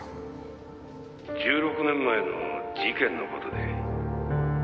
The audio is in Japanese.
「１６年前の事件の事で」